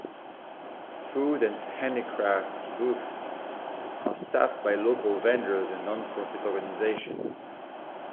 Food and handicrafts booths are staffed by local vendors and non-profit organizations.